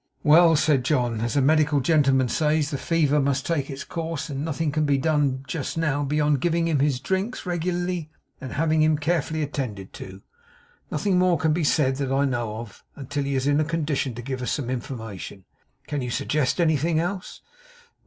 'Well!' said John, 'as the medical gentleman says the fever must take its course, and nothing can be done just now beyond giving him his drinks regularly and having him carefully attended to, nothing more can be said that I know of, until he is in a condition to give us some information. Can you suggest anything else?